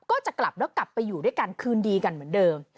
ก็จะกลับแล้วกลับไปอยู่ด้วยกันคืนดีกันเหมือนเดิม